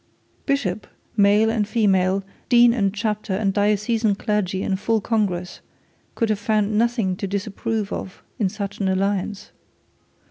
Bishop, male and female, dean and chapter and diocesan clergy in full congress, could have found nothing to disapprove of in such an alliance.